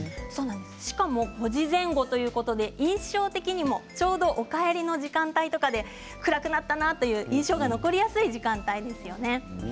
しかも５時前後は印象的にもちょうどお帰りの時間帯とかで暗くなったなという印象が残りやすい時間帯ですね。